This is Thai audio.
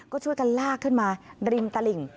ก็ช่วยกันลากขึ้นมาริมตลิ่ง